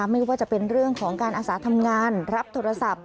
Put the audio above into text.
ไม่ว่าจะเป็นเรื่องของการอาสาทำงานรับโทรศัพท์